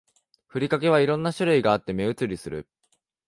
ふりかけは色んな種類があって目移りする